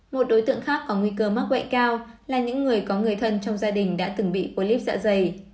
một đối tượng khác có nguy cơ mắc bệnh cao là những người có người thân trong gia đình đã từng bị clip dạ dày